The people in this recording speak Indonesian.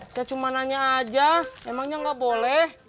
saya cuma nanya aja emangnya nggak boleh